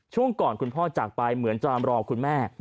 ช่วงก่อนคุณพ่อจากไปเหมือนจะรอคุณแม่